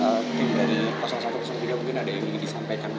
mungkin dari satu tiga mungkin ada yang ingin disampaikan